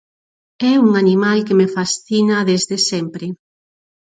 É un animal que me fascina desde sempre.